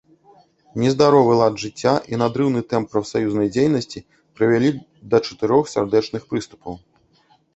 Нездаровы лад жыцця і надрыўны тэмп прафсаюзнай дзейнасці прывялі да чатырох сардэчных прыступаў.